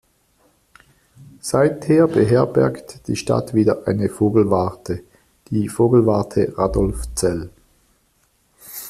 Seither beherbergt die Stadt wieder eine Vogelwarte, die Vogelwarte Radolfzell.